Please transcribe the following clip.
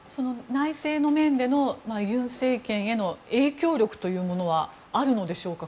内政の面での尹政権への影響力というのはあるのでしょうか。